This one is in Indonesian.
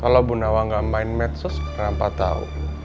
kalau bu nawang gak main medsos kenapa tahu